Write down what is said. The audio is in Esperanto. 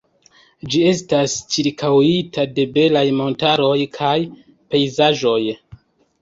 Ĝi estas ĉirkaŭita de belaj montaroj kaj pejzaĝoj.